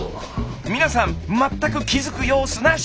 皆さん全く気づく様子なし！